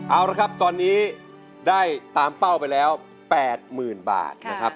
เอาละครับตอนนี้ได้ตามเป้าไปแล้ว๘๐๐๐บาทนะครับ